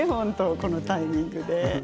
このタイミングで。